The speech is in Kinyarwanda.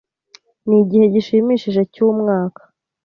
Nigihe gishimishije cyumwaka.